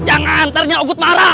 jangan ntar nyokut marah